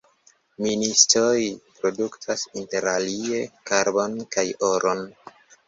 Ministoj produktas interalie karbon kaj oron.